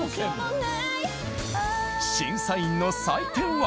審査員の採点は。